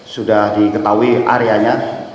sudah diketahui areanya